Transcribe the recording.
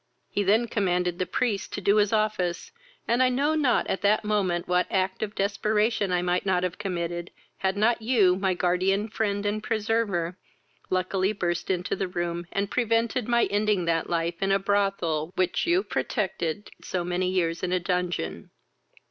He then commanded the priest to do his office, and I know not, at that moment, what act of desperation I might not have committed, had not you, my guardian friend and preserver, luckily burst into the room, and prevented my ending that life in a brothel which you protected so many years in a dungeon."